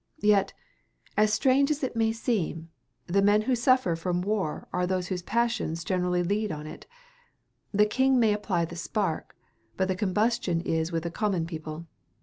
Yet, strange as it may seem, the men who suffer from war are those whose passions generally lead it on. The king may apply the spark, but the combustion is with the common people.